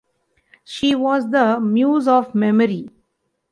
She was the muse of memory.